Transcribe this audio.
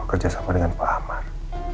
kerjasama dengan pak amar